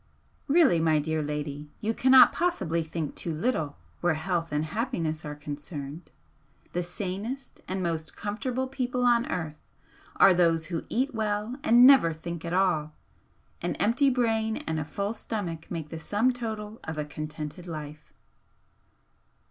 "Really, my dear lady, you cannot possibly think too little where health and happiness are concerned! The sanest and most comfortable people on earth are those who eat well and never think at all. An empty brain and a full stomach make the sum total of a contented life."